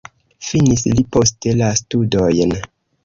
Finis li poste la studojn.